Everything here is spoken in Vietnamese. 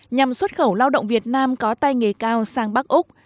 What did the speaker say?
nhằm xuất khẩu lao động việt nam có tay nghề cao sang bắc úc